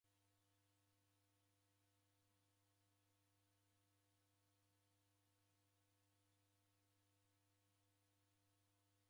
Vama va mikopo vazerelo viw'ike akiba ra'wo kwa mali.